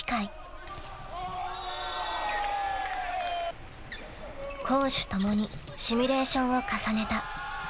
［攻守ともにシミュレーションを重ねた］